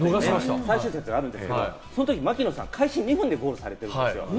最終節があるんですけれども、その時、槙野さん、開始２分でゴールされてるんですよ。